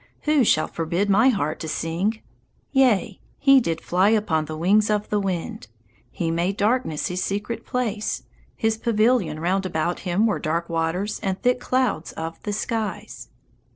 Who shall forbid my heart to sing: "Yea, he did fly upon the wings of the wind. He made darkness his secret place; his pavilion round about him were dark waters and thick clouds of the skies"?